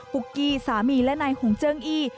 ปุ๊กกี้สามีและนายหงเจิ้งอี้